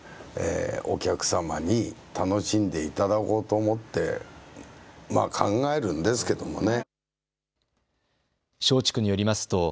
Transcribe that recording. お客様に楽しんでいただこうと思って考えるんですけどもね。